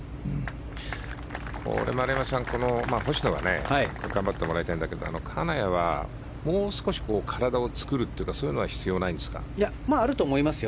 丸山さん、星野は頑張ってもらいたいんだけど金谷はもう少し体を作るというかあると思いますよ。